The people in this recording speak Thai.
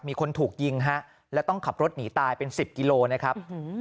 มีคนถูกยิงฮะแล้วต้องขับรถหนีตายเป็น๑๐กิโลนะครับ